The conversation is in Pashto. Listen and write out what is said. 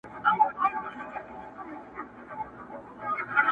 اورېدل يې د رعيتو فريادونه!.